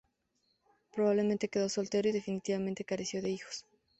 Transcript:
Probablemente quedó soltero y definitivamente careció de hijos.